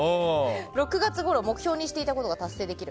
６月ごろ目標にしていたことが達成できる。